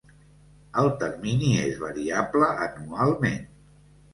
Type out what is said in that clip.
El termini és variable anualment.